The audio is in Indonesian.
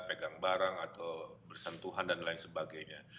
pegang barang atau bersentuhan dan lain sebagainya